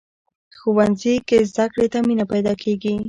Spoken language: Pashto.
ښوونځی کې زده کړې ته مینه پیدا کېږي